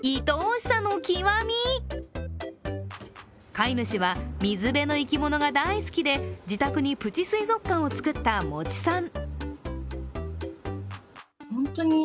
飼い主は、水辺の生きものが大好きで自宅にプチ水族館を作った、もちさん。